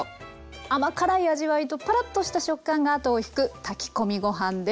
甘辛い味わいとパラッとした食感が後を引く炊き込みご飯です。